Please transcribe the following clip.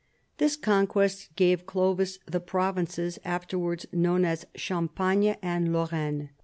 This conquest gave Clovis the provinces afterwards known as Champagne and Lorraine.